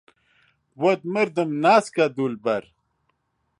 بۆت مردم ناسکە دولبەر